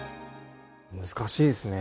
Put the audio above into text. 難しいですね。